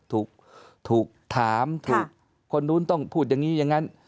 ถูกถามถูกคนนู้นต้องพูดอย่างนี้อย่างนั้น